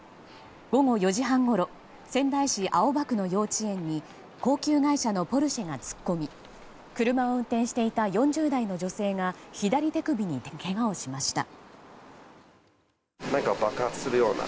午後４時半ごろ仙台市青葉区の幼稚園に高級外車のポルシェが突っ込み車を運転していた４０代の女性が左手首にけがをしました。